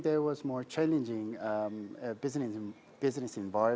tapi saya masih heran dengan perkembangan